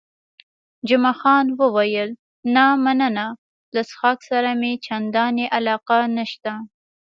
جمعه خان وویل، نه مننه، له څښاک سره مې چندانې علاقه نشته.